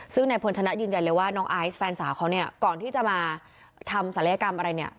ซึ่งนายพลชนะยืนยันเลยว่าน้องไอซ์แฟนสาวเขาเนี่ยก่อนที่จะมาทำศัลยกรรมอะไรเนี่ย